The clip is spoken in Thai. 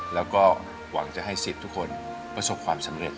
แล้วก็หวังจะให้สิทธิ์ทุกคนประสบความสำเร็จ